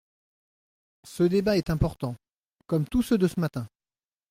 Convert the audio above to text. Ce débat est important, comme tous ceux de ce matin.